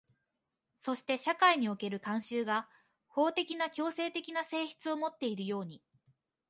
そして社会における慣習が法的な強制的な性質をもっているように、